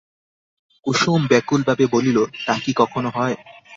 কুসুম ব্যাকুলভাবে বলিল, তা কি কখনো হয়?